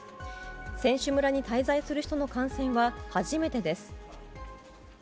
選手村に滞在する人の感染は初めてです。